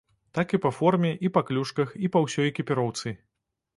Так і па форме, і па клюшках, і па ўсёй экіпіроўцы.